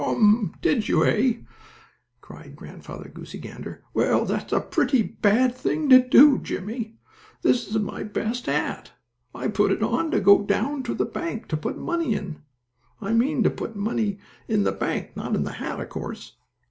"Ha! Hum! Did you; eh?" cried Grandfather Goosey Gander. "Well, that's a pretty bad thing to do, Jimmie. This is my best hat. I put it on to go down to the bank, to put money in. I mean to put money in the bank, not in the hat, of course.